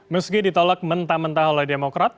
meski ditolak mentah mentah oleh demokrat